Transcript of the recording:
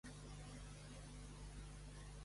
Filla de Walter Sokolow.